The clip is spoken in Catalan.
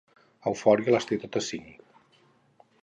Eufòria les té totes cinc.